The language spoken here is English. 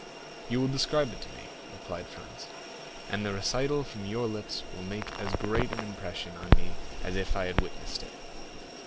"You will describe it to me," replied Franz, "and the recital from your lips will make as great an impression on me as if I had witnessed it.